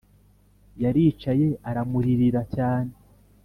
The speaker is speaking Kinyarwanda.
yaricaye aramuririra cyane